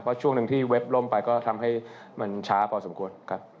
เพราะช่วงหนึ่งที่เว็บล่มไปก็ทำให้มันช้าพอสมควรครับ